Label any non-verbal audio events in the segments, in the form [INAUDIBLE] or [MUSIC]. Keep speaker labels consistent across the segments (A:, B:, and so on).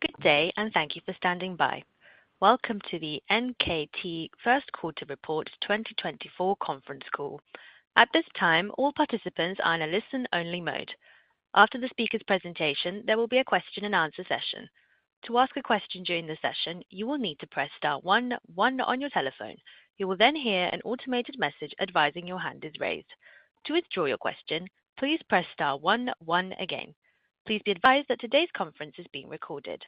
A: Good day and thank you for standing by. Welcome to the NKT Q1 Report 2024 conference call. At this time, all participants are in a listen-only mode. After the speaker's presentation, there will be a question-and-answer session. To ask a question during the session, you will need to press star 1 1 on your telephone. You will then hear an automated message advising your hand is raised. To withdraw your question, please press star 1 1 again. Please be advised that today's conference is being recorded.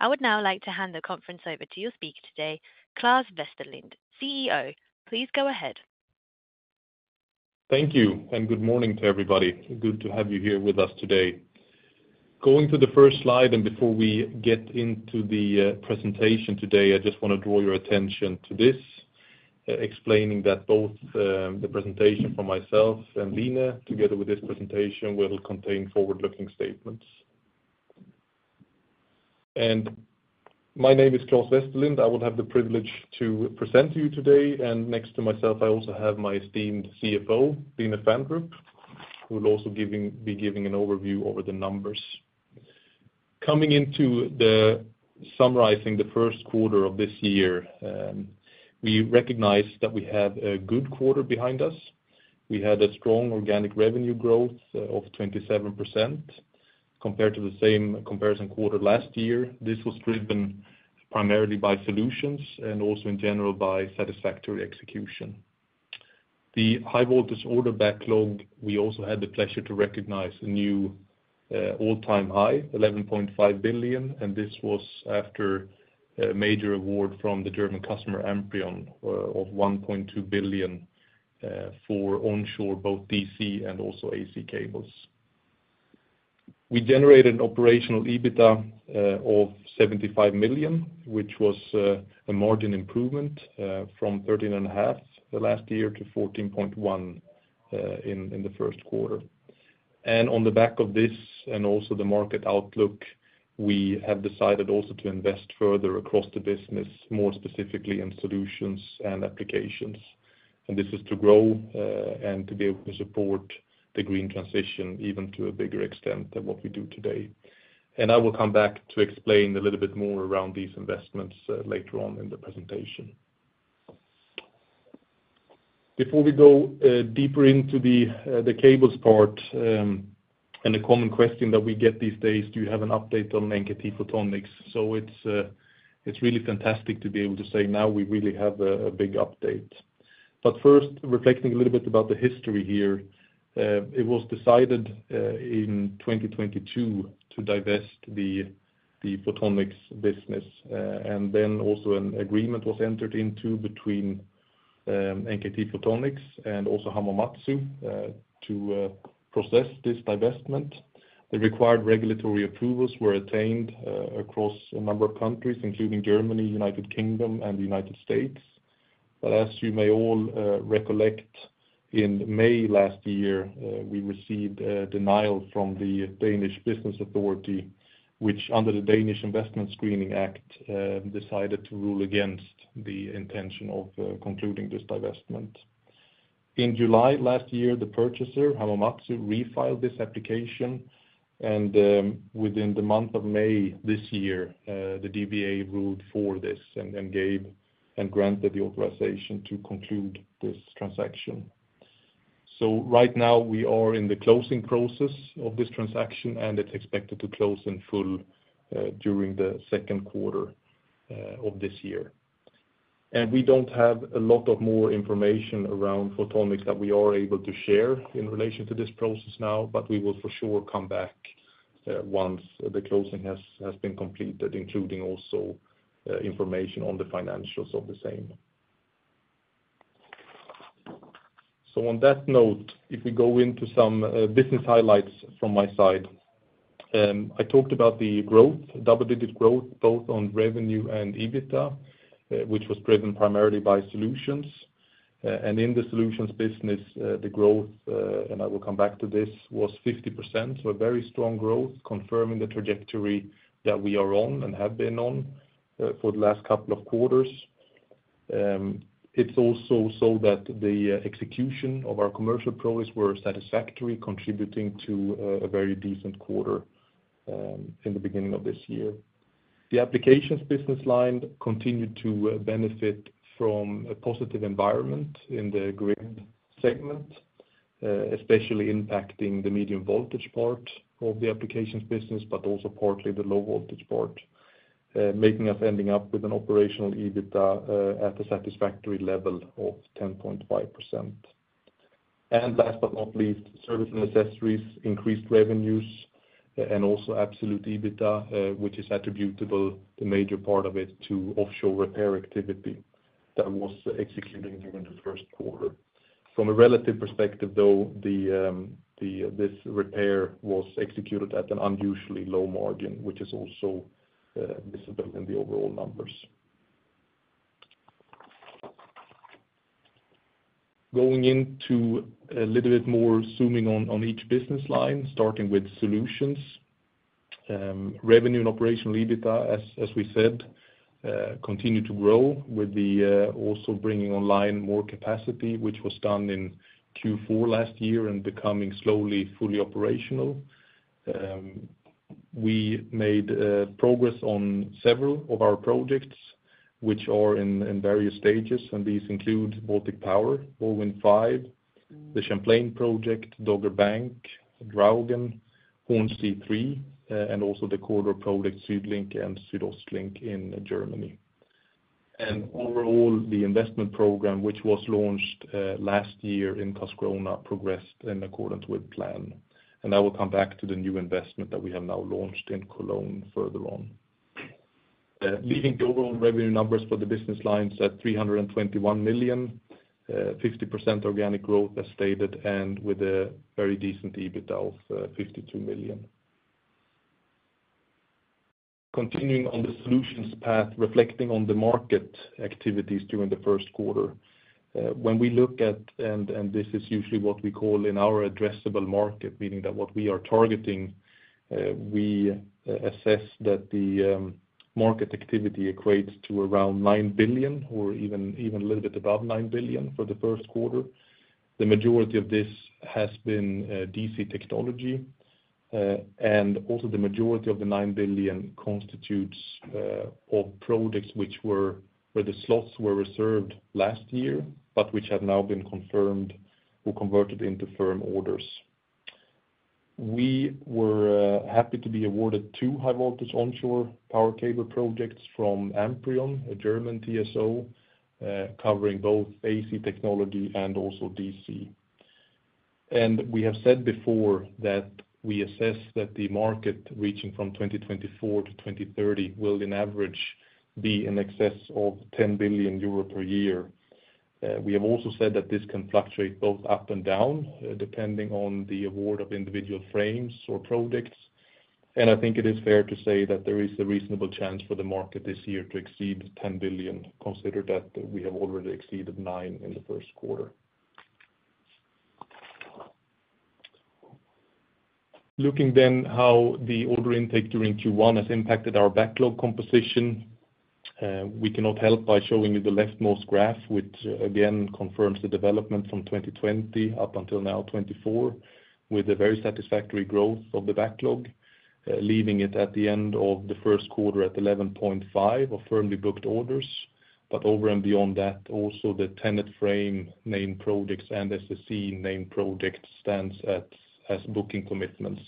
A: I would now like to hand the conference over to your speaker today, Claes Westerlind, CEO. Please go ahead.
B: Thank you, and good morning to everybody. Good to have you here with us today. Going to the first slide, and before we get into the presentation today, I just want to draw your attention to this, explaining that both the presentation from myself and Line, together with this presentation, will contain forward-looking statements. My name is Claes Westerlind. I will have the privilege to present to you today. Next to myself, I also have my esteemed CFO, Line Fandrup, who will also be giving an overview over the numbers. Coming into the summarizing the Q1 of this year, we recognize that we have a good quarter behind us. We had a strong organic revenue growth of 27% compared to the same comparison quarter last year. This was driven primarily by solutions and also, in general, by satisfactory execution. The high-voltage order backlog, we also had the pleasure to recognize a new all-time high, 11.5 billion. This was after a major award from the German customer Amprion of 1.2 billion for onshore both DC and also AC cables. We generated an operational EBITDA of 75 million, which was a margin improvement from 13.5% last year to 14.1% in the Q1. On the back of this and also the market outlook, we have decided also to invest further across the business, more specifically in solutions and applications. This is to grow, and to be able to support the green transition even to a bigger extent than what we do today. And I will come back to explain a little bit more around these investments later on in the presentation. Before we go deeper into the cables part, and the common question that we get these days, "Do you have an update on NKT Photonics?" So it's really fantastic to be able to say now we really have a big update. But first, reflecting a little bit about the history here, it was decided in 2022 to divest the photonics business, and then also an agreement was entered into between NKT Photonics and Hamamatsu to process this divestment. The required regulatory approvals were attained across a number of countries, including Germany, United Kingdom, and the United States. But as you may all recollect, in May last year, we received denial from the Danish Business Authority, which under the Danish Investment Screening Act decided to rule against the intention of concluding this divestment. In July last year, the purchaser, Hamamatsu, refiled this application. Within the month of May this year, the DBA ruled for this and gave and granted the authorization to conclude this transaction. So right now, we are in the closing process of this transaction, and it's expected to close in full during the Q2 of this year. And we don't have a lot more information around photonics that we are able to share in relation to this process now, but we will for sure come back once the closing has been completed, including also information on the financials of the same. So on that note, if we go into some business highlights from my side, I talked about the growth, double-digit growth, both on revenue and EBITDA, which was driven primarily by solutions. And in the solutions business, the growth, and I will come back to this, was 50%, so a very strong growth confirming the trajectory that we are on and have been on, for the last couple of quarters. It's also so that the execution of our commercial projects were satisfactory, contributing to a very decent quarter in the beginning of this year. The applications business line continued to benefit from a positive environment in the grid segment, especially impacting the medium voltage part of the applications business, but also partly the low voltage part, making us ending up with an operational EBITDA at a satisfactory level of 10.5%. And last but not least, service and accessories increased revenues, and also absolute EBITDA, which is attributable, the major part of it, to offshore repair activity that was executing during the Q1. From a relative perspective, though, this repair was executed at an unusually low margin, which is also visible in the overall numbers. Going into a little bit more zooming on each business line, starting with solutions, revenue and operational EBITDA, as we said, continued to grow with also bringing online more capacity, which was done in Q4 last year and becoming slowly fully operational. We made progress on several of our projects, which are in various stages, and these include Baltic Power, BorWin5, the Champlain project, Dogger Bank, Draugen, Hornsea 3, and also the corridor projects Südlink and SüdOstLink in Germany. Overall, the investment program, which was launched last year in Karlskrona, progressed in accordance with plan. I will come back to the new investment that we have now launched in Cologne further on. leaving the overall revenue numbers for the business lines at 321 million, 50% organic growth as stated, and with a very decent EBITDA of 52 million. Continuing on the solutions path, reflecting on the market activities during the Q1, when we look at and this is usually what we call in our addressable market, meaning that what we are targeting, we assess that the market activity equates to around 9 billion or even a little bit above 9 billion for the Q1. The majority of this has been DC technology, and also the majority of the 9 billion constitutes of projects which were where the slots were reserved last year but which have now been confirmed were converted into firm orders. We were happy to be awarded two high-voltage onshore power cable projects from Amprion, a German TSO, covering both AC technology and also DC. We have said before that we assess that the market reaching from 2024 to 2030 will, in average, be in excess of 10 billion euro per year. We have also said that this can fluctuate both up and down, depending on the award of individual frames or projects. I think it is fair to say that there is a reasonable chance for the market this year to exceed 10 billion, considered that we have already exceeded 9 billion in the Q1. Looking then how the order intake during Q1 has impacted our backlog composition, we cannot help by showing you the leftmost graph, which, again confirms the development from 2020 up until now 2024 with a very satisfactory growth of the backlog, leaving it at the end of the Q1 at 11.5 billion of firmly booked orders. But over and beyond that, also the TenneT frame agreement projects and SSE frame agreement projects stand out as firm commitments,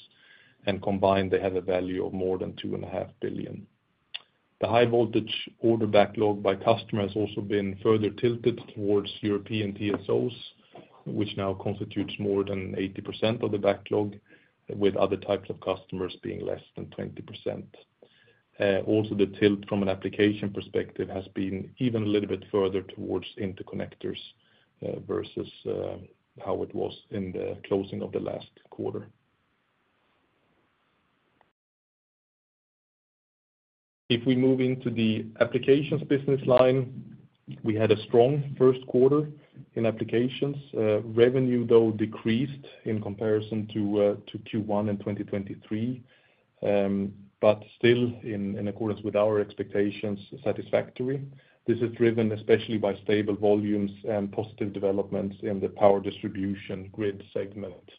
B: and combined, they have a value of more than 2.5 billion. The high-voltage order backlog by customers has also been further tilted towards European TSOs, which now constitutes more than 80% of the backlog, with other types of customers being less than 20%. Also the tilt from an application perspective has been even a little bit further towards interconnectors, versus how it was in the closing of the last quarter. If we move into the applications business line, we had a strong Q1 in applications. Revenue, though, decreased in comparison to Q1 2023, but still in accordance with our expectations, satisfactory. This is driven especially by stable volumes and positive developments in the power distribution grid segment.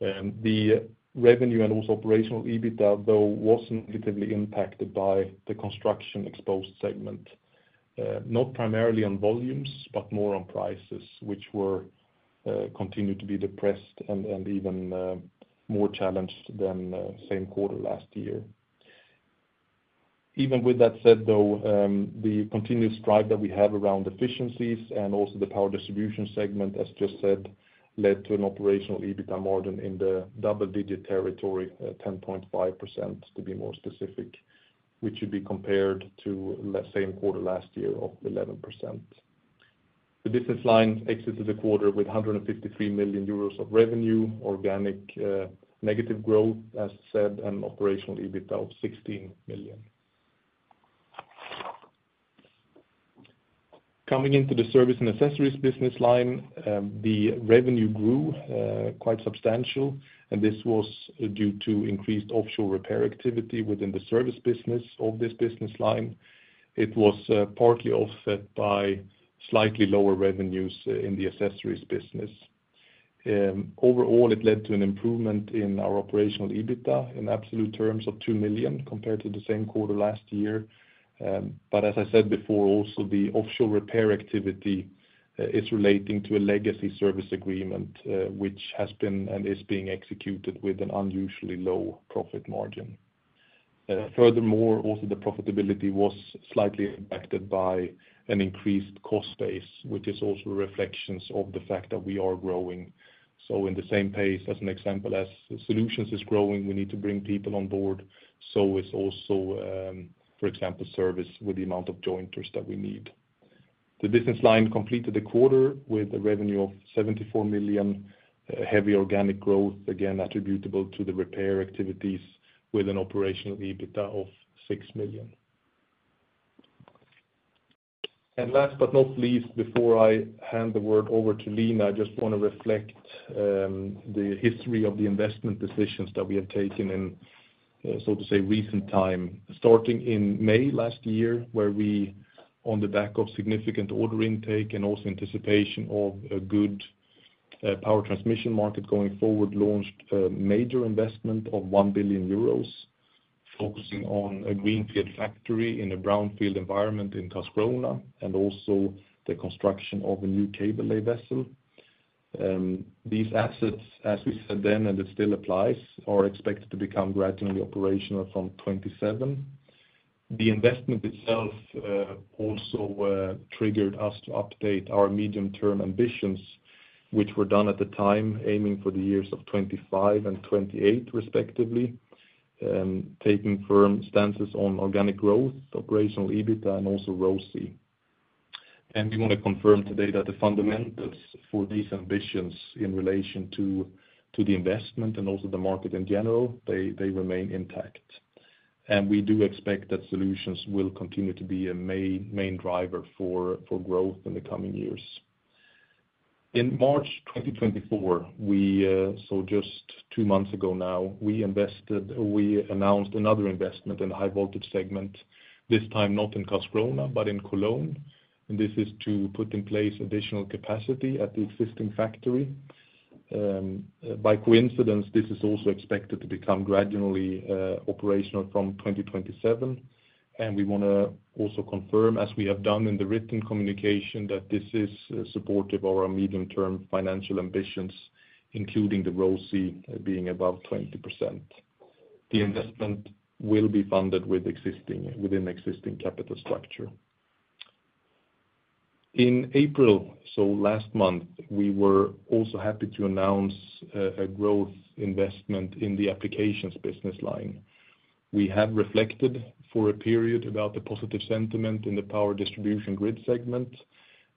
B: The revenue and also operational EBITDA, though, was negatively impacted by the construction exposed segment, not primarily on volumes but more on prices, which were continued to be depressed and even more challenged than same quarter last year. Even with that said, though, the continuous drive that we have around efficiencies and also the power distribution segment, as just said, led to an operational EBITDA margin in the double-digit territory, 10.5% to be more specific, which should be compared to same quarter last year of 11%. The business line exited the quarter with 153 million euros of revenue, organic negative growth, as said, and operational EBITDA of 16 million. Coming into the service and accessories business line, the revenue grew quite substantial. This was due to increased offshore repair activity within the service business of this business line. It was, partly offset by slightly lower revenues, in the accessories business. Overall, it led to an improvement in our operational EBITDA in absolute terms of 2 million compared to the same quarter last year. But as I said before, also the offshore repair activity, is relating to a legacy service agreement, which has been and is being executed with an unusually low profit margin. Furthermore, also the profitability was slightly impacted by an increased cost base, which is also reflections of the fact that we are growing. So in the same pace, as an example, as solutions is growing, we need to bring people on board. So is also, for example, service with the amount of jointers that we need. The business line completed the quarter with a revenue of 74 million, heavy organic growth, again attributable to the repair activities, with an operational EBITDA of 6 million. And last but not least, before I hand the word over to Line, I just want to reflect on the history of the investment decisions that we have taken in, so to say, recent time, starting in May last year, where we, on the back of significant order intake and also anticipation of a good power transmission market going forward, launched a major investment of 1 billion euros focusing on a greenfield factory in a brownfield environment in Karlskrona and also the construction of a new cable lay vessel. These assets, as we said then, and it still applies, are expected to become gradually operational from 2027. The investment itself also triggered us to update our medium-term ambitions, which were done at the time aiming for the years of 2025 and 2028, respectively, taking firm stances on organic growth, operational EBITDA, and also RoCE. And we want to confirm today that the fundamentals for these ambitions in relation to, to the investment and also the market in general, they, they remain intact. And we do expect that solutions will continue to be a main, main driver for, for growth in the coming years. In March 2024, we saw just two months ago now, we announced another investment in the high-voltage segment, this time not in Karlskrona but in Cologne. And this is to put in place additional capacity at the existing factory. By coincidence, this is also expected to become gradually operational from 2027. And we want to also confirm, as we have done in the written communication, that this is supportive of our medium-term financial ambitions, including the RoCE being above 20%. The investment will be funded with existing capital structure. In April, so last month, we were also happy to announce a growth investment in the applications business line. We have reflected for a period about the positive sentiment in the power distribution grid segment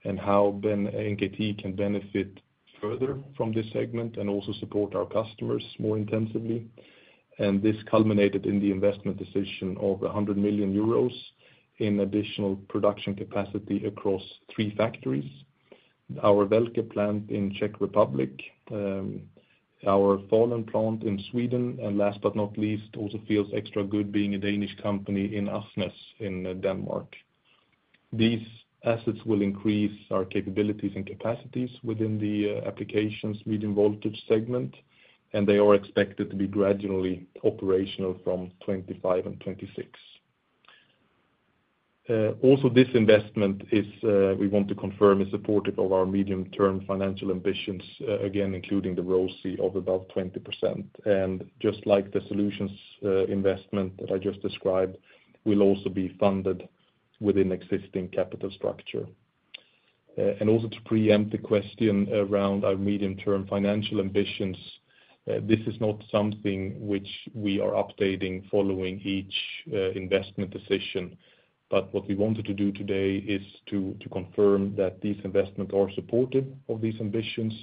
B: and how then NKT can benefit further from this segment and also support our customers more intensively. This culminated in the investment decision of 100 million euros in additional production capacity across three factories: our Velke plant in Czech Republic, our Falun plant in Sweden, and last but not least, also feels extra good being a Danish company in Asnæs in Denmark. These assets will increase our capabilities and capacities within the applications medium-voltage segment, and they are expected to be gradually operational from 2025 and 2026. Also this investment is, we want to confirm is supportive of our medium-term financial ambitions, again, including the RoCE of above 20%. Just like the solutions investment that I just described will also be funded within existing capital structure. And also to preempt the question around our medium-term financial ambitions, this is not something which we are updating following each investment decision. But what we wanted to do today is to confirm that these investments are supportive of these ambitions,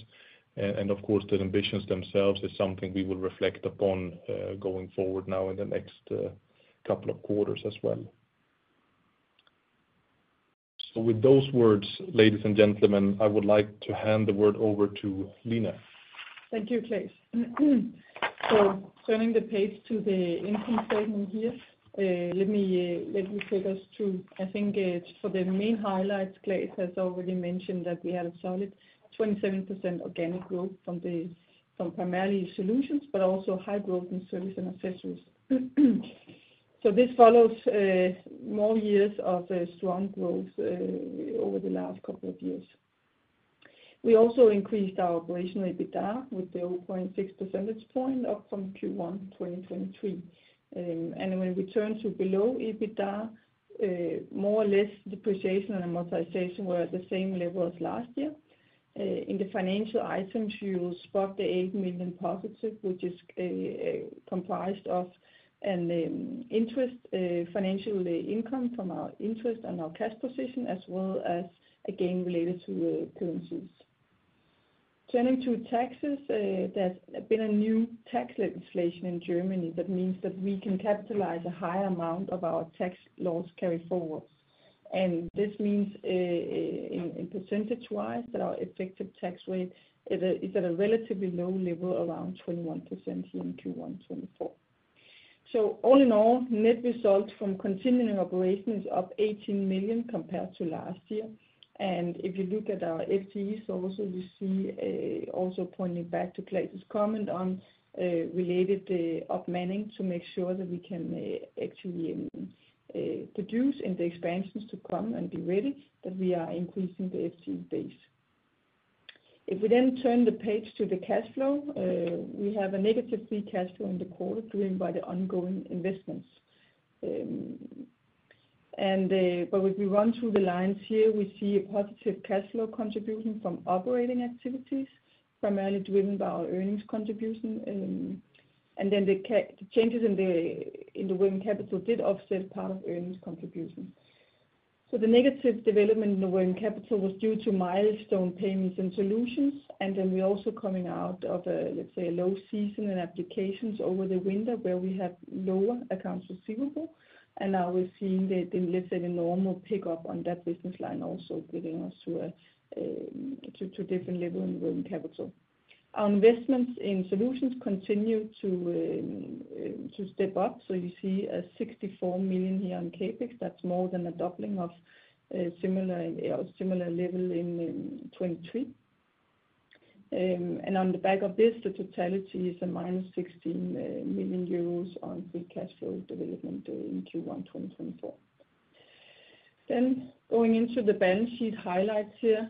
B: and of course, that ambitions themselves is something we will reflect upon going forward now in the next couple of quarters as well. So with those words, ladies and gentlemen, I would like to hand the word over to Line.
C: Thank you, Claes. So turning the page to the income statement here, let me let you take us through. I think for the main highlights, Claes has already mentioned that we had a solid 27% organic growth from primarily solutions but also high growth in service and accessories. So this follows more years of strong growth over the last couple of years. We also increased our operational EBITDA with the 0.6 percentage point up from Q1 2023. When we turn to below EBITDA, more or less depreciation and amortization were at the same level as last year. In the financial items, you'll spot the 8 million positive, which is comprised of an interest financial income from our interest and our cash position as well as again related to currencies. Turning to taxes, there's been a new tax legislation in Germany that means that we can capitalize a higher amount of our tax loss carried forward. This means, in percentage-wise, that our effective tax rate is at a relatively low level around 21% here in Q1 2024. So all in all, net result from continuing operations is up 18 million compared to last year. If you look at our FTEs also, you see, also pointing back to Claes's comment on, related, upmanning to make sure that we can, actually, produce in the expansions to come and be ready, that we are increasing the FTE base. If we then turn the page to the cash flow, we have a negative free cash flow in the quarter driven by the ongoing investments. But if we run through the lines here, we see a positive cash flow contribution from operating activities, primarily driven by our earnings contribution. And then the changes in the working capital did offset part of earnings contributions. So the negative development in the working capital was due to milestone payments and solutions. And then we're also coming out of a, let's say, a low season in applications over the winter where we had lower accounts receivable. Now we're seeing the let's say, the normal pickup on that business line also getting us to a different level in the working capital. Our investments in solutions continue to step up. So you see 64 million here on CapEx. That's more than a doubling of similar levels in 2023. And on the back of this, the totality is -16 million euros on free cash flow development in Q1 2024. Then going into the balance sheet highlights here,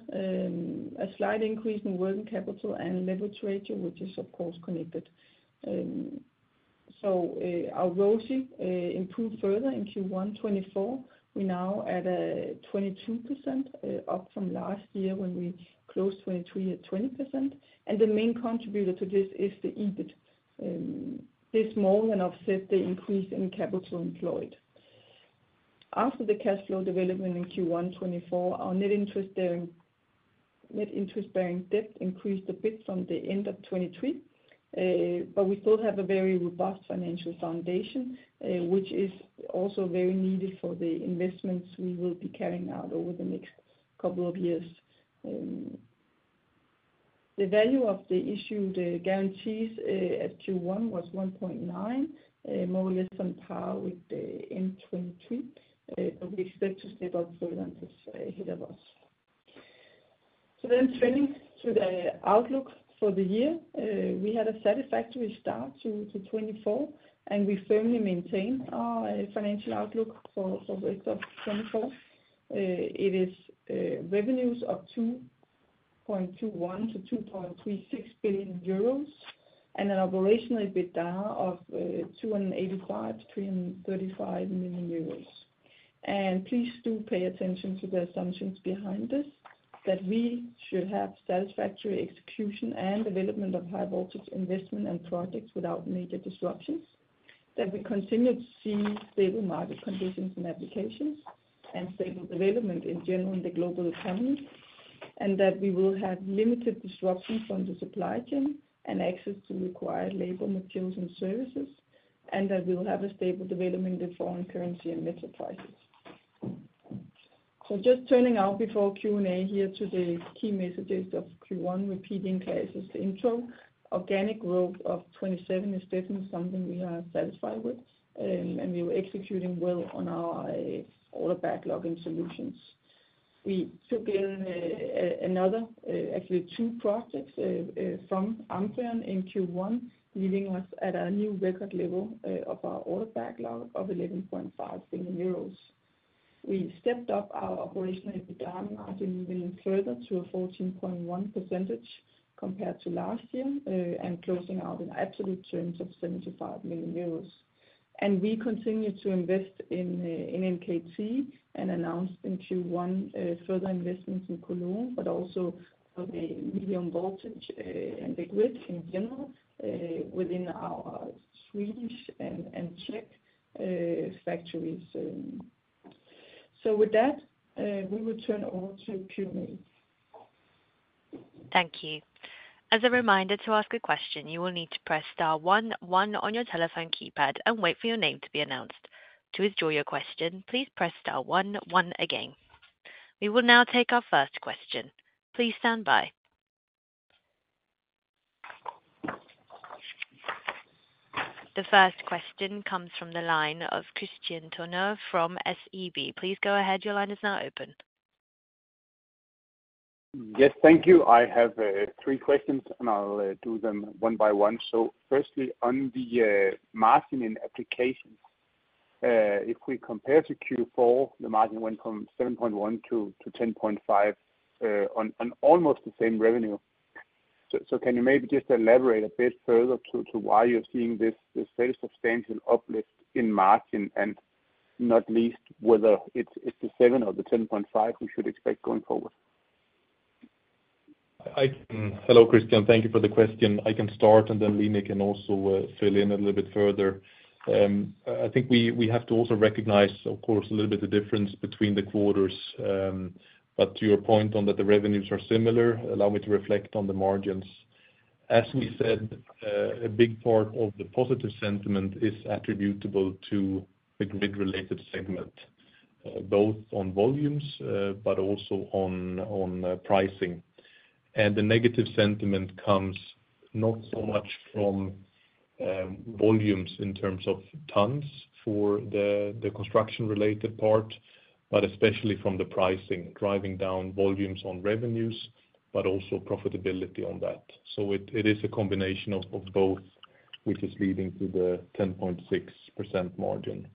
C: a slight increase in working capital and leverage ratio, which is, of course, connected. So our RoCE improved further in Q1 2024. We're now at 22%, up from last year when we closed 2023 at 20%. And the main contributor to this is the EBITDA. This more than offset the increase in capital employed. After the cash flow development in Q1 2024, our net interest-bearing debt increased a bit from the end of 2023. But we still have a very robust financial foundation, which is also very needed for the investments we will be carrying out over the next couple of years. The value of the issued guarantees at Q1 was 1.9 billion, more or less on par with end 2023. But we expect to step up further until it's ahead of us. So then turning to the outlook for the year, we had a satisfactory start to 2024, and we firmly maintain our financial outlook for the rest of 2024. It is revenues of 2.21 billion to 2.36 billion euros and an operational EBITDA of 285 million to 335 million euros. Please do pay attention to the assumptions behind this, that we should have satisfactory execution and development of high-voltage investment and projects without major disruptions, that we continue to see stable market conditions in applications and stable development in general in the global economy, and that we will have limited disruptions from the supply chain and access to required labor materials and services, and that we'll have a stable development in foreign currency and metal prices. Just turning to before Q&A here to the key messages of Q1, repeating Claes's intro, organic growth of 27% is definitely something we are satisfied with, and we were executing well on our order backlog in solutions. We took in another, actually two projects, from Amprion in Q1, leading us to a new record level of our order backlog of 11.5 billion euros. We stepped up our operational EBITDA margin even further to a 14.1% compared to last year, and closing out in absolute terms of 75 million euros. And we continue to invest in, in NKT and announced in Q1, further investments in Cologne but also for the medium voltage, and the grid in general, within our Swedish and, and Czech, factories. With that, we will turn over to Q&A.
A: Thank you. As a reminder to ask a question, you will need to press star 11 on your telephone keypad and wait for your name to be announced. To withdraw your question, please press star 11 again. We will now take our first question. Please stand by. The first question comes from the line of Christian Tønnesen from SEB. Please go ahead. Your line is now open. Yes, thank you.
D: I have three questions, and I'll do them one by one. So firstly, on the margin in applications, if we compare to Q4, the margin went from 7.1 to 10.5 on almost the same revenue. So can you maybe just elaborate a bit further on why you're seeing this very substantial uplift in margin and not least whether it's the 7 or the 10.5 we should expect going forward?
B: Hello, Christian. Thank you for the question. I can start, and then Line can also fill in a little bit further. I think we have to also recognize, of course, a little bit of difference between the quarters. But to your point that the revenues are similar, allow me to reflect on the margins. As we said, a big part of the positive sentiment is attributable to the grid-related segment, both on volumes, but also on pricing. The negative sentiment comes not so much from volumes in terms of tons for the construction-related part but especially from the pricing, driving down volumes on revenues but also profitability on that. It is a combination of both, which is leading to the 10.6% margin.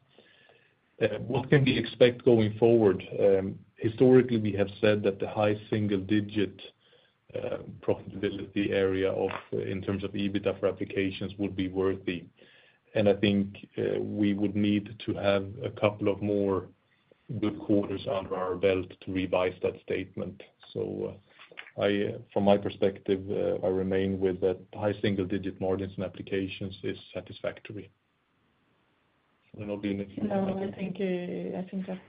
B: What can we expect going forward? Historically, we have said that the high single-digit profitability area of in terms of EBITDA for applications would be worthy. I think we would need to have a couple of more good quarters under our belt to revise that statement. From my perspective, I remain with that high single-digit margins in applications is satisfactory. Will there not be any.
C: No, I think that's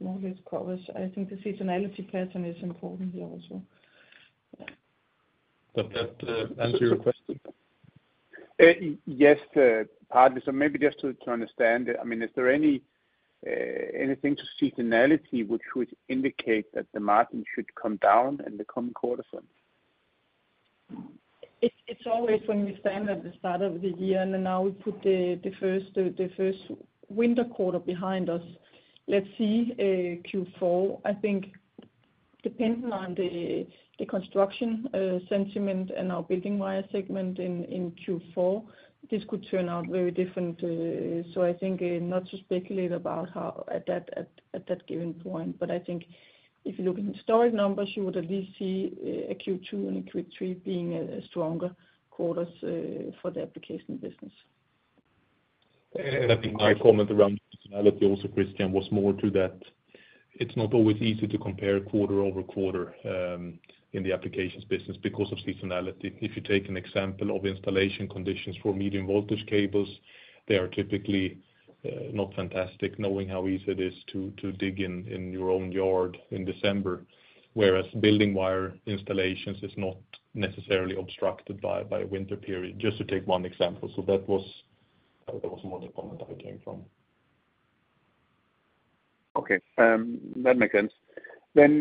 C: more than covered. I think the seasonality pattern is important here also. Yeah.
B: Does that answer your question?
D: Yes, partly. So maybe just to understand it, I mean, is there anything to seasonality which would indicate that the margin should come down in the coming quarters then?
C: It's always when we stand at the start of the year, and then now we put the first winter quarter behind us. Let's see, Q4. I think depending on the construction sentiment and our building wire segment in Q4, this could turn out very different. So I think not to speculate about how at that given point. But I think if you look at historic numbers, you would at least see a Q2 and a Q3 being stronger quarters for the application business.
B: And I think my comment around seasonality also, Christian, was more to that it's not always easy to compare quarter over quarter in the applications business because of seasonality. If you take an example of installation conditions for medium voltage cables, they are typically not fantastic, knowing how easy it is to dig in your own yard in December, whereas building wire installations is not necessarily obstructed by a winter period, just to take one example. So that was more the comment I came from.
D: Okay. That makes sense. Then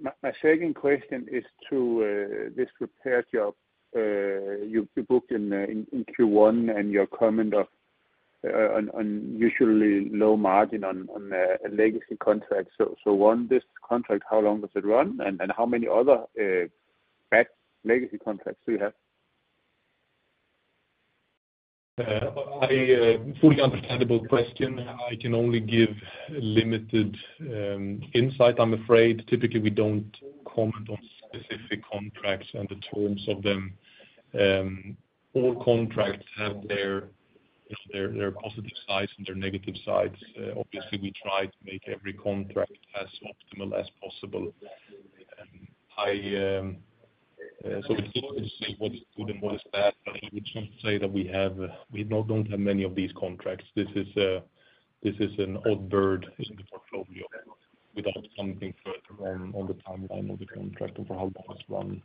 D: my second question is to this repair job you booked in Q1 and your comment on usually low margin on a legacy contract. So one, this contract, how long does it run? And how many other bad legacy contracts do you have?
B: a fully understandable question. I can only give limited insight, I'm afraid. Typically, we don't comment on specific contracts and the terms of them. All contracts have their, you know, their positive sides and their negative sides. Obviously, we try to make every contract as optimal as possible. So it's difficult to say what is good and what is bad, but I would just say that we don't have many of these contracts. This is an odd bird in the portfolio without commenting further on the timeline of the contract and for how long it's run.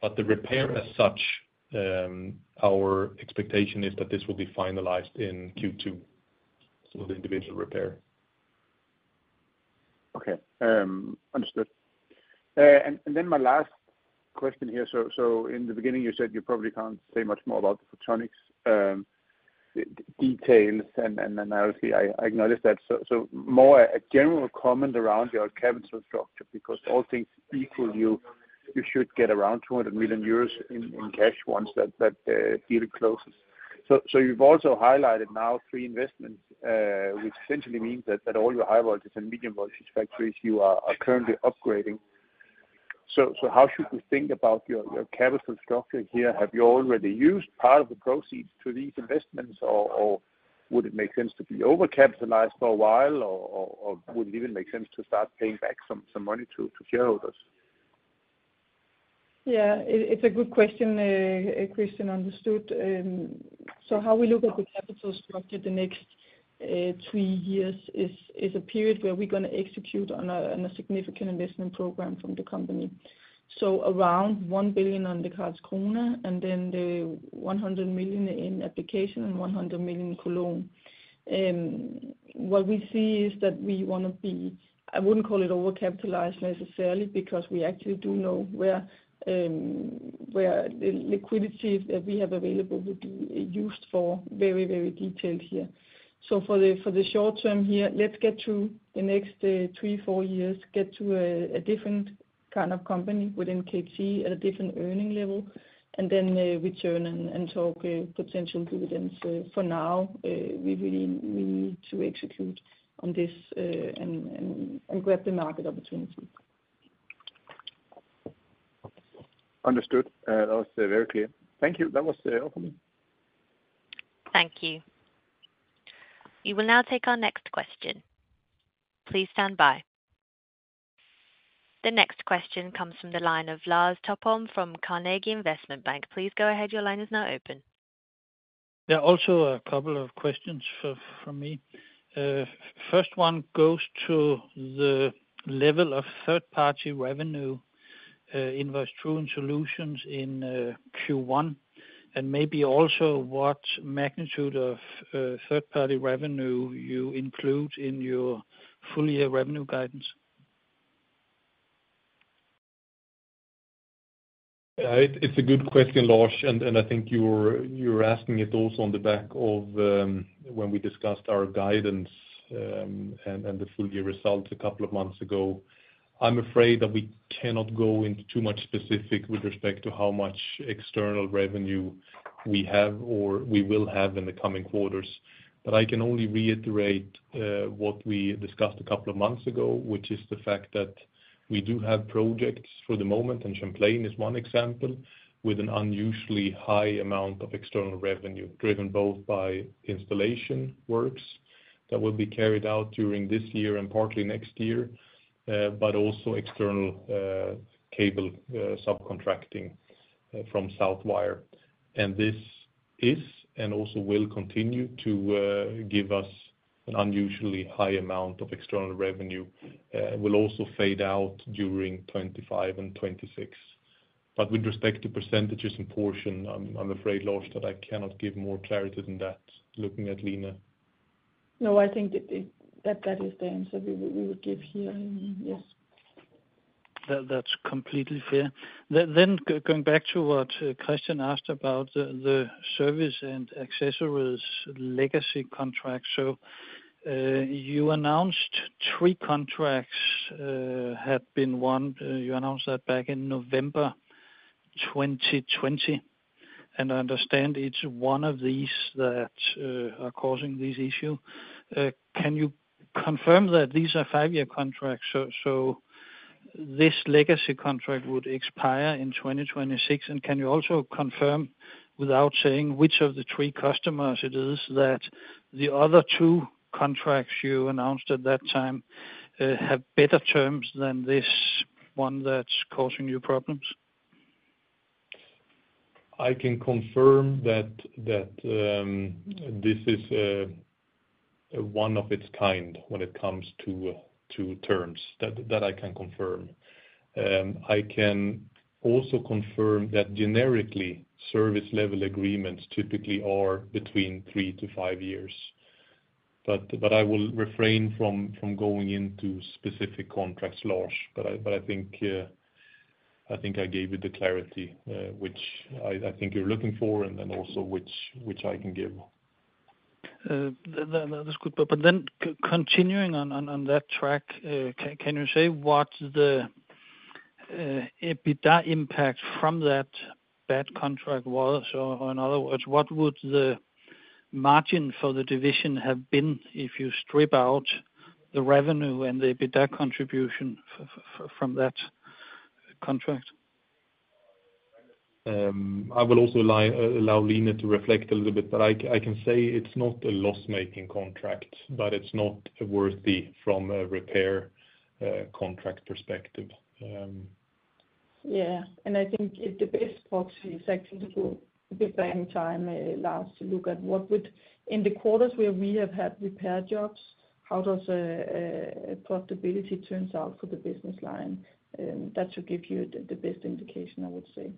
B: But the repair as such, our expectation is that this will be finalized in Q2, so the individual repair.
D: Okay. Understood. And then my last question here. So in the beginning, you said you probably can't say much more about the photonics details. And then obviously, I acknowledge that. So more a general comment around your capital structure because all things equal, you should get around 200 million euros in cash once that deal closes. So you've also highlighted now three investments, which essentially means that all your high-voltage and medium voltage factories you are currently upgrading. So how should we think about your capital structure here? Have you already used part of the proceeds to these investments, or would it make sense to be overcapitalized for a while, or would it even make sense to start paying back some money to shareholders?
C: Yeah. It's a good question, Christian, understood. So how we look at the capital structure the next three years is a period where we're going to execute on a significant investment program from the company, so around 1 billion and then the 100 million in Alingsås and 100 million in Cologne. What we see is that we want to be. I wouldn't call it overcapitalized necessarily because we actually do know where the liquidity that we have available would be used for very, very detailed here. So for the short term here, let's get to the next three, four years, get to a different kind of company with NKT at a different earning level, and then return and talk potential dividends. For now, we really need to execute on this and grab the market opportunity.
D: Understood. That was very clear. Thank you. That was all from me.
B: Thank you. You will now take our next question. Please stand by. The next question comes from the line of Lars Topholm from Carnegie Investment Bank. Please go ahead. Your line is now open.
E: Yeah, also a couple of questions for me. First one goes to the level of third-party revenue in [AUDIO DISTORTION] Solutions in Q1 and maybe also what magnitude of third-party revenue you include in your full-year revenue guidance.
B: Yeah, it's a good question, Lars. I think you were asking it also on the back of when we discussed our guidance and the full-year results a couple of months ago. I'm afraid that we cannot go into too much specific with respect to how much external revenue we have or we will have in the coming quarters. But I can only reiterate what we discussed a couple of months ago, which is the fact that we do have projects for the moment, and Champlain is one example, with an unusually high amount of external revenue driven both by installation works that will be carried out during this year and partly next year, but also external cable subcontracting from Southwire. And this is and also will continue to give us an unusually high amount of external revenue, will also fade out during 2025 and 2026. But with respect to percentages and portion, I'm afraid, Lars, that I cannot give more clarity than that looking at Line.
C: No, I think that is the answer we would give here. Yes.
E: That's completely fair. Then going back to what Christian asked about, the service and accessories legacy contracts. So, you announced 3 contracts had been won. You announced that back in November 2020. And I understand it's one of these that are causing this issue. Can you confirm that these are 5-year contracts? So this legacy contract would expire in 2026. And can you also confirm without saying which of the 3 customers it is that the other two contracts you announced at that time have better terms than this one that's causing you problems?
B: I can confirm that this is one of a kind when it comes to terms. That I can confirm. I can also confirm that generically, service-level agreements typically are between 3-5 years. But I will refrain from going into specific contracts, Lars. But I think I gave you the clarity which I think you're looking for and then also which I can give.
E: That is good. But then continuing on that track, can you say what the EBITDA impact from that bad contract was? Or in other words, what would the margin for the division have been if you strip out the revenue and the EBITDA contribution from that contract?
B: I will also allow Line to reflect a little bit. But I can say it's not a loss-making contract, but it's not worthy from a repair contract perspective.
C: Yeah. I think the best part for you is actually to go and at any time, Lars, to look at what we had in the quarters where we have had repair jobs, how the profitability turns out for the business line. That should give you the best indication, I would say.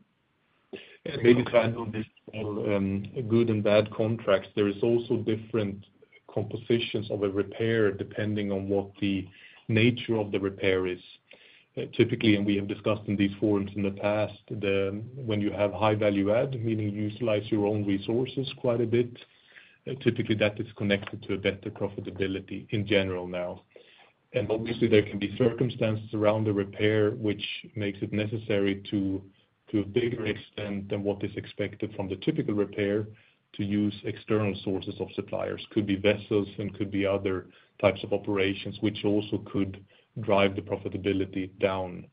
B: And maybe when trying to answer this on good and bad contracts, there is also different compositions of a repair depending on what the nature of the repair is. Typically, and we have discussed in these forums in the past, when you have high value add, meaning you utilize your own resources quite a bit, typically, that is connected to a better profitability in general now. And obviously, there can be circumstances around the repair which makes it necessary to a bigger extent than what is expected from the typical repair to use external sources or suppliers. Could be vessels and could be other types of operations which also could drive the profitability down.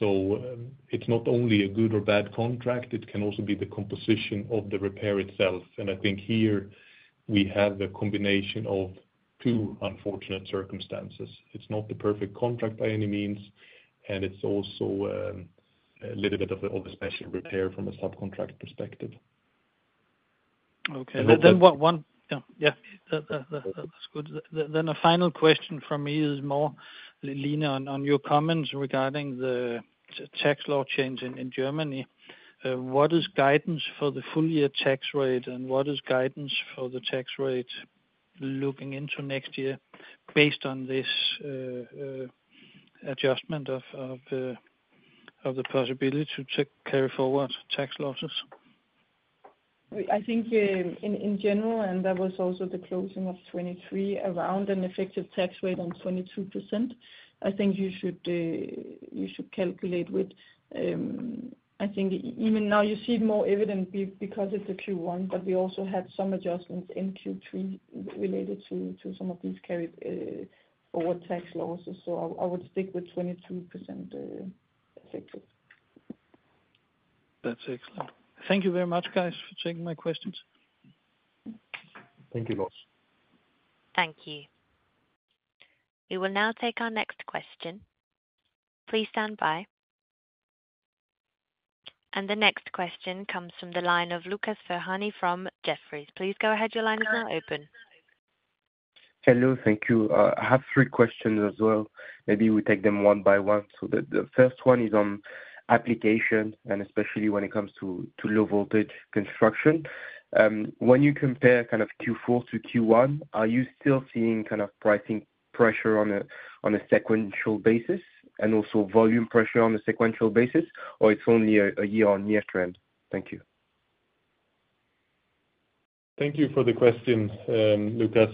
B: So, it's not only a good or bad contract. It can also be the composition of the repair itself. And I think here, we have a combination of two unfortunate circumstances. It's not the perfect contract by any means. And it's also a little bit of a special repair from a subcontract perspective.
E: Okay. And then that's good. Then a final question from me is more, Line, on your comments regarding the tax law change in Germany. What is guidance for the full-year tax rate, and what is guidance for the tax rate looking into next year based on this adjustment of the possibility to carry forward tax losses?
B: Well, I think, in general, and that was also the closing of 2023 around an effective tax rate of 22%. I think you should calculate with, I think even now, you see it more evident because it's a Q1, but we also had some adjustments in Q3 related to some of these carried forward tax losses. So I would stick with 22%, effective.
E: That's excellent. Thank you very much, guys, for taking my questions.
B: Thank you, Lars.
A: Thank you. We will now take our next question. Please stand by. And the next question comes from the line of Lucas Ferhani from Jefferies. Please go ahead. Your line is now open.
F: Hello. Thank you. I have three questions as well. Maybe we take them one by one. So the first one is on application and especially when it comes to low-voltage construction. When you compare kind of Q4 to Q1, are you still seeing kind of pricing pressure on a sequential basis and also volume pressure on a sequential basis, or it's only a year-on-year trend? Thank you.
B: Thank you for the question, Lucas.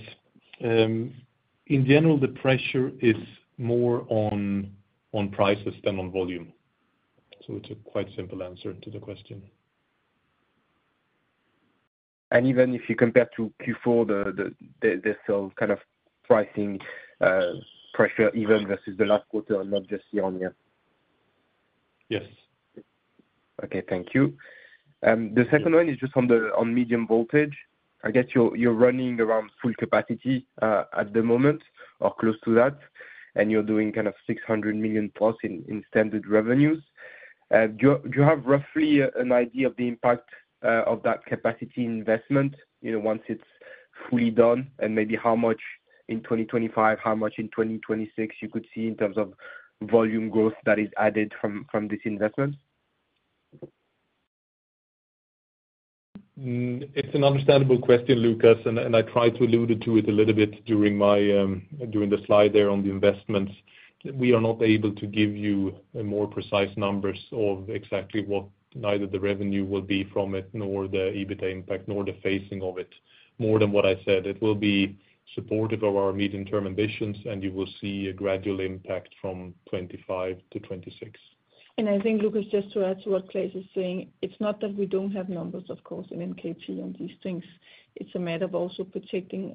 B: In general, the pressure is more on prices than on volume. So it's a quite simple answer to the question.
F: And even if you compare to Q4, the sort of kind of pricing pressure even versus the last quarter and not just year-on-year?
B: Yes.
F: Okay. Thank you. The second one is just on medium voltage. I guess you're running around full capacity at the moment or close to that, and you're doing kind of 600 million plus in standard revenues. Do you have roughly an idea of the impact, of that capacity investment, you know, once it's fully done and maybe how much in 2025, how much in 2026 you could see in terms of volume growth that is added from this investment?
B: It's an understandable question, Lucas. And I tried to allude to it a little bit during the slide there on the investments. We are not able to give you more precise numbers of exactly what neither the revenue will be from it nor the EBITDA impact nor the phasing of it more than what I said. It will be supportive of our medium-term ambitions, and you will see a gradual impact from 2025 to 2026.
C: And I think, Lucas, just to add to what Claes is saying, it's not that we don't have numbers, of course, in NKT and these things. It's a matter of also protecting,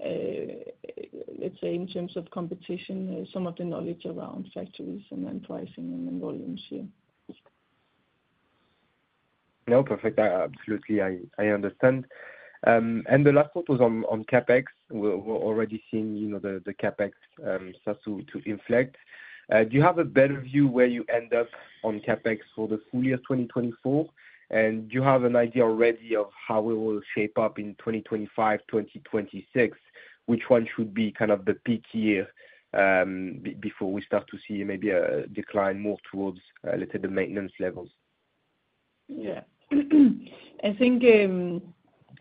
C: let's say, in terms of competition, some of the knowledge around factories and then pricing and then volumes here.
F: No, perfect. I absolutely understand. And the last part was on CapEx. We're already seeing, you know, the CapEx start to inflect. Do you have a better view where you end up on CapEx for the full year 2024? And do you have an idea already of how it will shape up in 2025, 2026, which one should be kind of the peak year, before we start to see maybe a decline more towards, let's say, the maintenance levels?
C: Yeah. I think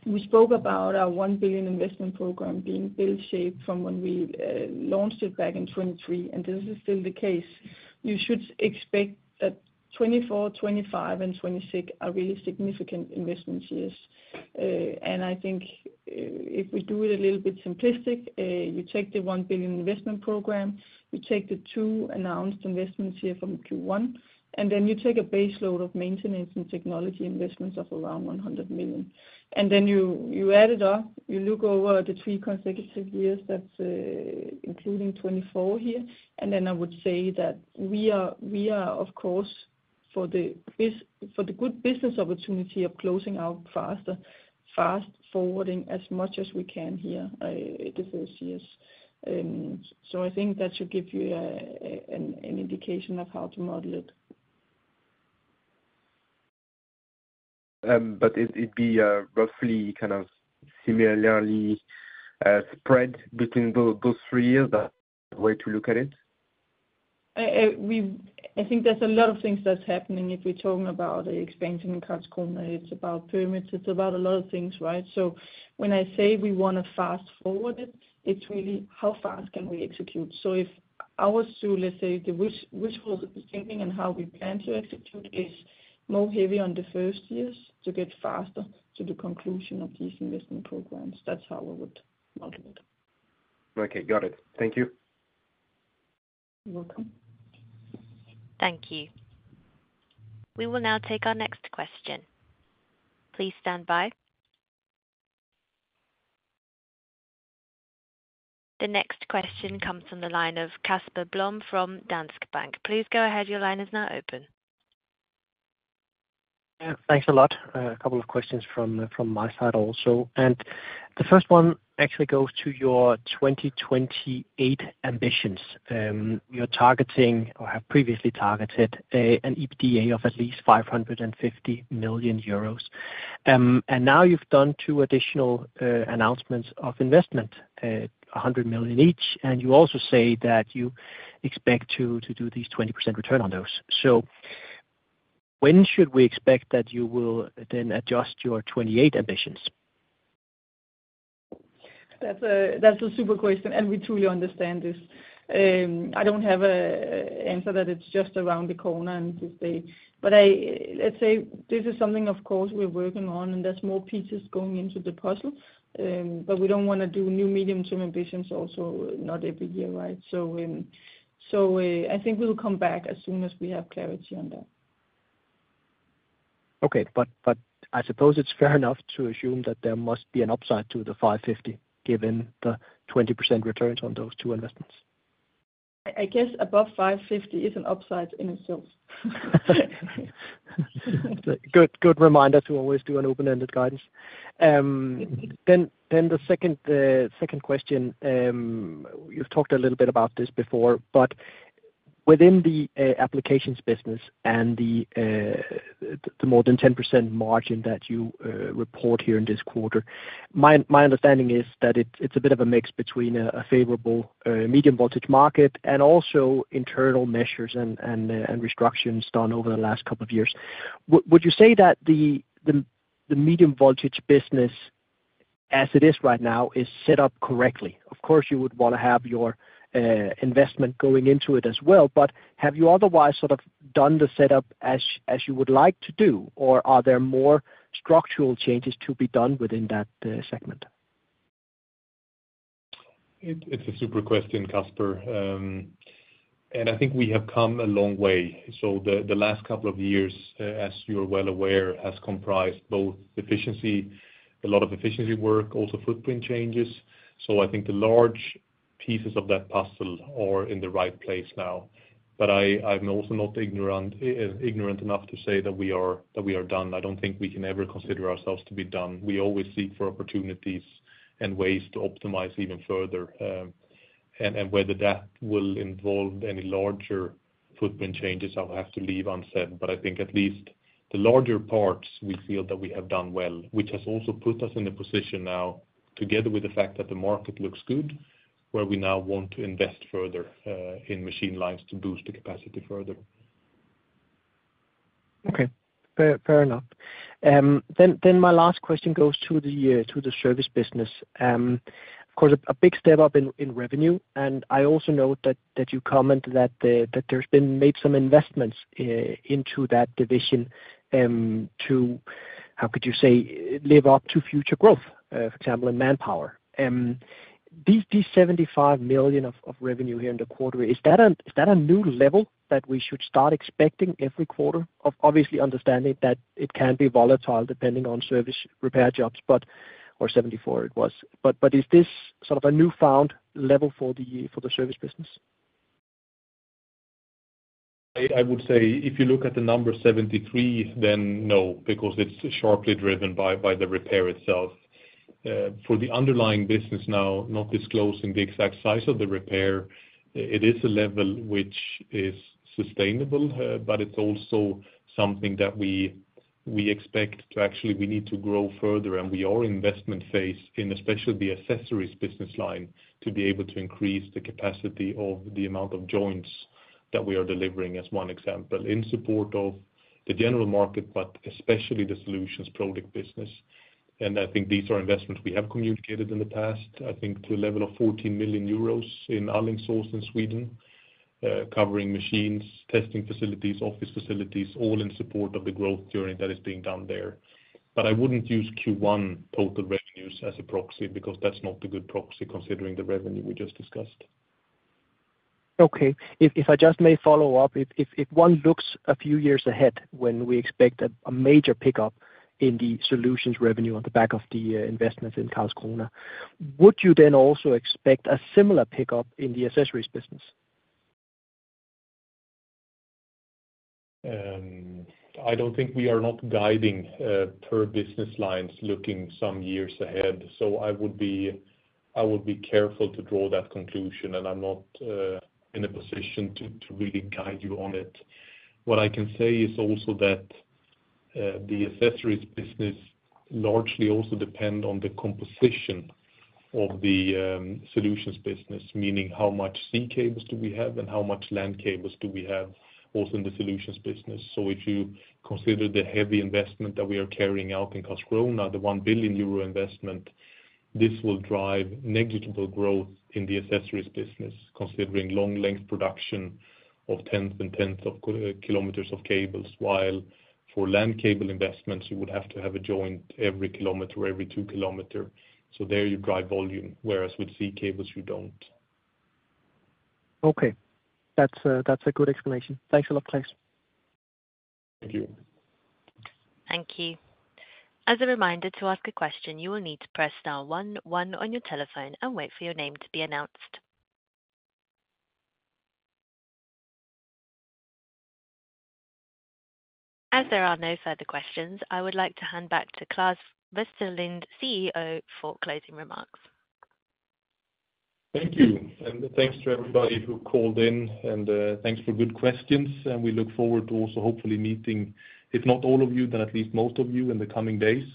C: we spoke about our 1 billion investment program being bell-shaped from when we launched it back in 2023. And this is still the case. You should expect that 2024, 2025, and 2026 are really significant investment years. And I think, if we do it a little bit simplistic, you take the 1 billion investment program, you take the 2 announced investments here from Q1, and then you take a baseload of maintenance and technology investments of around 100 million. And then you add it up. You look over the 3 consecutive years. That's including 2024 here. And then I would say that we are, of course, for the best for the good business opportunity of closing out faster, fast-forwarding as much as we can here, the first years. So I think that should give you an indication of how to model it.
F: But it'd be roughly kind of similarly spread between those 3 years? That way to look at it?
C: I think there's a lot of things that's happening. If we're talking about the expansion in Karlsruhe, it's about permits. It's about a lot of things, right? So when I say we want to fast-forward it, it's really how fast can we execute? So if or so let's say the wishful thinking and how we plan to execute is more heavy on the first years to get faster to the conclusion of these investment programs, that's how I would model it.
F: Okay. Got it. Thank you.
A: You're welcome. Thank you. We will now take our next question. Please stand by. The next question comes from the line of Casper Blom from Danske Bank. Please go ahead. Your line is now open.
G: Yeah. Thanks a lot. A couple of questions from my side also. And the first one actually goes to your 2028 ambitions. You're targeting or have previously targeted an EBITDA of at least 550 million euros. And now you've done two additional announcements of investment, 100 million each. And you also say that you expect to do these 20% return on those. So when should we expect that you will then adjust your 2028 ambitions?
C: That's a super question. And we truly understand this. I don't have an answer that it's just around the corner and to stay. But let's say this is something, of course, we're working on, and there's more pieces going into the puzzle. But we don't want to do new medium-term ambitions also not every year, right? So I think we'll come back as soon as we have clarity on that.
G: Okay. But I suppose it's fair enough to assume that there must be an upside to the 550 million given the 20% returns on those two investments?
C: I guess above 550 is an upside in itself.
G: Good reminder to always do an open-ended guidance. Then the second question, you've talked a little bit about this before, but within the applications business and the more than 10% margin that you report here in this quarter, my understanding is that it's a bit of a mix between a favorable medium-voltage market and also internal measures and restrictions done over the last couple of years. Would you say that the medium-voltage business as it is right now is set up correctly? Of course, you would want to have your investment going into it as well. But have you otherwise sort of done the setup as you would like to do? Or are there more structural changes to be done within that segment?
B: It's a super question, Casper. I think we have come a long way. So the last couple of years, as you're well aware, has comprised both efficiency, a lot of efficiency work, also footprint changes. So I think the large pieces of that puzzle are in the right place now. But I'm also not ignorant enough to say that we are done. I don't think we can ever consider ourselves to be done. We always seek for opportunities and ways to optimize even further. And whether that will involve any larger footprint changes, I'll have to leave unsaid. But I think at least the larger parts, we feel that we have done well, which has also put us in a position now together with the fact that the market looks good where we now want to invest further in machine lines to boost the capacity further.
G: Okay. Fair, fair enough. Then, then my last question goes to the, to the service business. Of course, a, a big step up in, in revenue. And I also note that, that you comment that the that there's been made some investments into that division, to, how could you say, live up to future growth, for example, in manpower. These 75 million of revenue here in the quarter, is that a new level that we should start expecting every quarter, obviously understanding that it can be volatile depending on service repair jobs, but 74 million it was. But is this sort of a newfound level for the service business?
B: I would say if you look at the number 73 million, then no, because it's sharply driven by the repair itself. For the underlying business now, not disclosing the exact size of the repair, it is a level which is sustainable, but it's also something that we expect to actually need to grow further. We are investment-phased in especially the accessories business line to be able to increase the capacity of the amount of joints that we are delivering, as one example, in support of the general market but especially the solutions product business. I think these are investments we have communicated in the past, I think, to a level of 14 million euros in Alingsås in Sweden, covering machines, testing facilities, office facilities, all in support of the growth journey that is being done there. But I wouldn't use Q1 total revenues as a proxy because that's not the good proxy considering the revenue we just discussed.
G: Okay. If I just may follow up, if one looks a few years ahead when we expect a major pickup in the Solutions revenue on the back of the investments in Karlskrona, would you then also expect a similar pickup in the Accessories business?
B: I don't think we are not guiding per business lines looking some years ahead. So I would be careful to draw that conclusion. And I'm not in a position to really guide you on it. What I can say is also that the Accessories business largely also depend on the composition of the Solutions business, meaning how much HV cables do we have and how much LV cables do we have also in the Solutions business. So if you consider the heavy investment that we are carrying out in Karlskrona, now the 1 billion euro investment, this will drive negligible growth in the accessories business considering long-length production of tens and tens of kilometers of cables. While for LAN cable investments, you would have to have a joint every 1 kilometer or every 2 kilometers. So there you drive volume, whereas with C cables, you don't.
G: Okay. That's a good explanation. Thanks a lot, Claes.
B: Thank you.
A: Thank you. As a reminder to ask a question, you will need to press now 11 on your telephone and wait for your name to be announced. As there are no further questions, I would like to hand back to Claes Westerlind, CEO, for closing remarks. Thank you. Thanks to everybody who called in. Thanks for good questions.
B: We look forward to also hopefully meeting, if not all of you, then at least most of you in the coming days.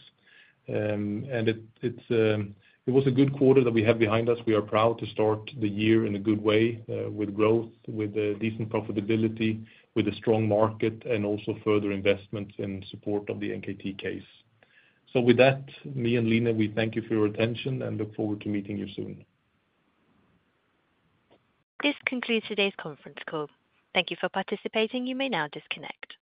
B: It was a good quarter that we have behind us. We are proud to start the year in a good way, with growth, with decent profitability, with a strong market, and also further investments in support of the NKT case. So with that, me and Line, we thank you for your attention and look forward to meeting you soon.
A: This concludes today's conference call. Thank you for participating. You may now disconnect.